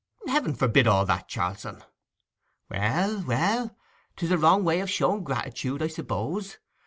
'Heaven forbid all that, Charlson!' 'Well, well, 'twas a wrong way of showing gratitude, I suppose.